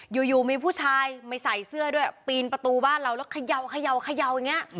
อยู่มีผู้ชายไม่ใส่เสื้อด้วยปีนประตูบ้านเราแล้วเขย่าอย่างนี้